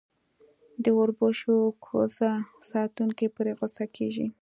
د اوربشو کوزه ساتونکی پرې غصه کېږي.